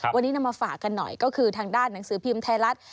วันนี้นำมาฝากกันหน่อยก็คือทางด้านหนังสือพิมพ์ไทยรัฐ